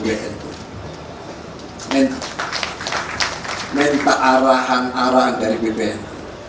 dan meminta arahan arahan dari bum